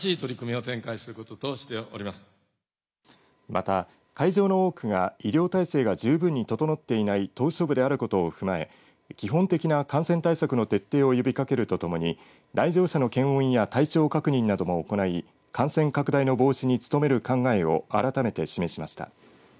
また会場の多くが医療体制の十分に整っていない島しょ部であることを踏まえ基本的な感染対策の徹底を呼びかけるとともに来場者の検温や体調確認なども行い感染拡大の防止に努める考えをあらめて示しました。